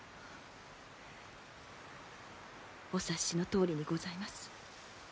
お察しのとおりにございます。